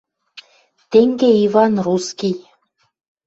Тенге Иван русский